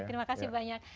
terima kasih banyak